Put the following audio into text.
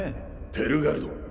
ペルガルド